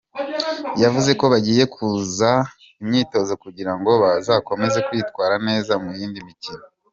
Yavuze ko bagiye gukaza imyotozo kugira ngo bazakomeza kwitwara neza mu yindi mikono.